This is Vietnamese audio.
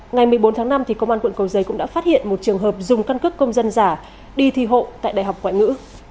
ngày một mươi bốn tháng năm công an quận cầu giấy cũng đã phát hiện một trường hợp dùng căn cước công dân giả đi thi hộ tại đại học ngoại ngữ